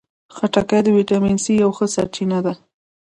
خټکی د ویټامین سي یوه ښه سرچینه ده.